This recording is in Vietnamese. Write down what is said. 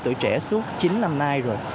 tuổi trẻ suốt chín năm nay rồi